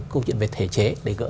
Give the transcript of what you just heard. câu chuyện về thể chế